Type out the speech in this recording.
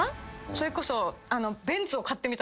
それこそ。